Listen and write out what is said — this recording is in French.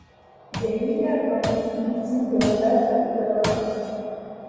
Des milliards d'hommes sont victimes de la peste ou de la famine.